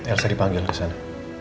elsa dipanggil kesana